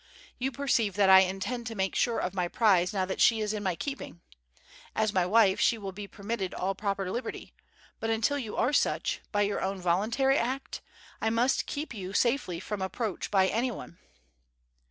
You perceive that I intend to make sure of my prize now that she is in my keeping. As my wife she will be permitted all proper liberty, but until you are such, by your own voluntary act, I must keep you safely from approach by any one."